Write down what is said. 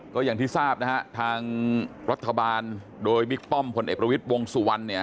ก็อย่างที่ทราบนะฮะทางรัฐบาลโดยบิ๊กป้อมพลเอกประวิทย์วงสุวรรณเนี่ย